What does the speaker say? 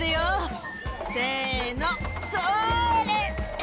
せのそれ！